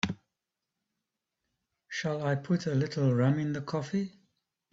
Shall I put a little rum in the coffee?